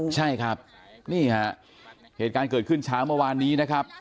ใช่ครับนี่ฮะเหตุการณ์เกิดขึ้นเช้าเมื่อวานนี้นะครับ